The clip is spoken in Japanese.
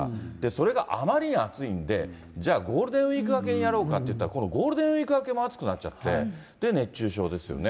それがあまりに暑いんで、じゃあゴールデンウィーク明けにやろうかっていったら、今度ゴールデンウィーク明けも暑くなっちゃって、で、熱中症ですよね。